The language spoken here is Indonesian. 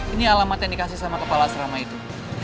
ini alamat yang dikasih sama kepala asrama itu